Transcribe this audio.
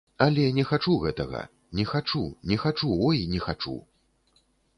Але не хачу гэтага, не хачу, не хачу, ой не хачу!